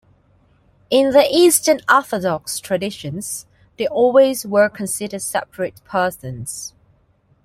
In the Eastern Orthodox traditions, they always were considered separate persons.